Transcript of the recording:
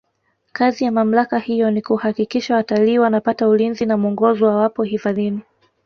kazi ya mamlaka hiyo ni kuhakikisha watalii wanapata ulinzi na mwongozo wawapo hifadhini